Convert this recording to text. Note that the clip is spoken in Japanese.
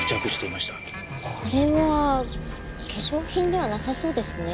これは化粧品ではなさそうですね。